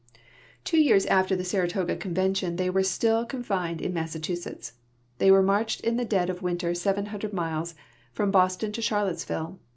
Tavo years after the Saratoga convention they were still con fined in Massachusetts. They Avere marched in the dead of Avinter 700 miles, from Boston to Charlottesville.